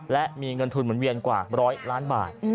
และมีเงินทุนหมุนเวียนกว่า๑๐๐ล้านบาท